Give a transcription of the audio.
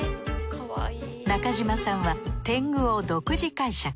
中島さんは天狗を独自解釈。